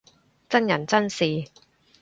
真人真事